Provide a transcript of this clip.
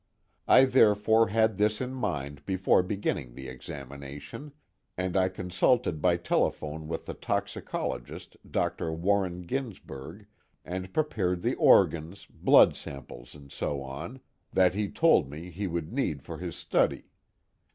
I therefore had this in mind before beginning the examination, and I consulted by telephone with the toxicologist Dr. Walter Ginsberg, and prepared the organs, blood samples and so on, that he told me he would need for his study.